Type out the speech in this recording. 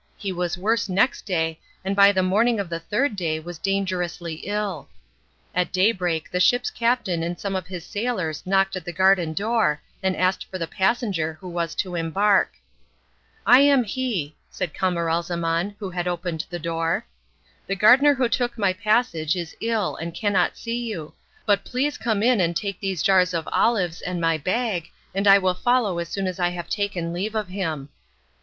He was worse next day, and by the morning of the third day was dangerously ill. At daybreak the ship's captain and some of his sailors knocked at the garden door and asked for the passenger who was to embark. "I am he," said Camaralzaman, who had opened the door. "The gardener who took my passage is ill and cannot see you, but please come in and take these jars of olives and my bag, and I will follow as soon as I have taken leave of him."